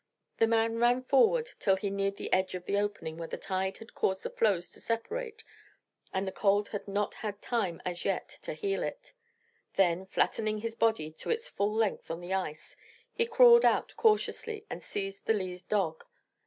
The man ran forward till he neared the edge of the opening where the tide had caused the floes to separate and the cold had not had time as yet to heal it; then flattening his body to its full length on the ice, he crawled out cautiously and seized the lead dog.